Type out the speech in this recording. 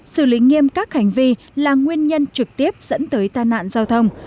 xử lý nghiêm các hành vi là nguyên nhân trực tiếp dẫn tới tai nạn giao thông